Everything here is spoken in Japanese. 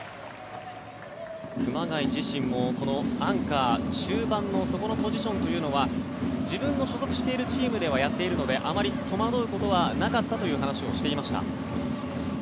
熊谷自身もアンカー中盤の底のポジションというのは自分の所属しているチームではやっているのであまり戸惑うことはなかったという話をしていました。